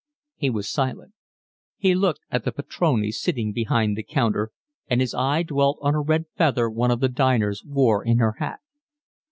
He was silent. He looked at the patronne sitting behind the counter, and his eye dwelt on a red feather one of the diners wore in her hat.